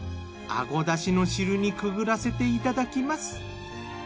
アゴだしの汁にくぐらせていただきます。